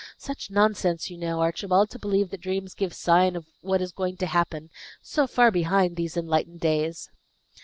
Such nonsense, you know, Archibald, to believe that dreams give signs of what is going to happen, so far behind these enlightened days!"